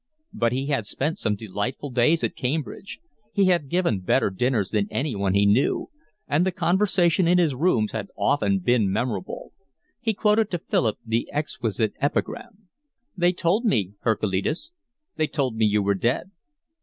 But he had spent some delightful days at Cambridge; he had given better dinners than anyone he knew; and the conversation in his rooms had been often memorable. He quoted to Philip the exquisite epigram: "They told me, Herakleitus, they told me you were dead."